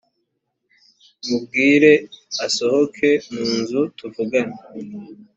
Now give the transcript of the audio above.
mubwire asohoke mu nzu tuvugane